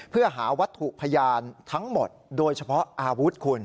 เพื่อหาวัตถุพยานทั้งหมดโดยเฉพาะอาวุธคุณ